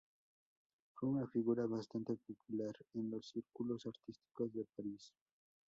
Fue una figura bastante popular en los círculos artísticos de París.